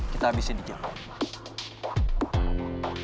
kita habisin di jam